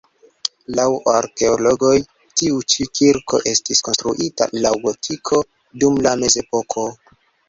Laŭ arkeologoj tiu ĉi kirko estis konstruita laŭ gotiko dum la mezepoko.